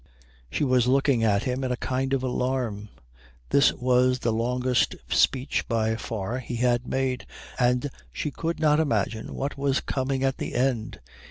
She was looking at him in a kind of alarm. This was the longest speech by far he had made, and she could not imagine what was coming at the end.